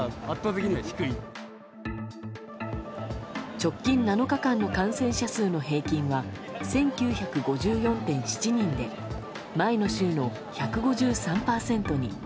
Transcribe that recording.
直近７日間の感染者数の平均は１９５４．７人で前の週の１５３％に。